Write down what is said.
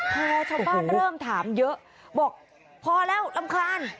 พอชาวบ้านเริ่มถามเยอะบอกพอแล้วรำคาญ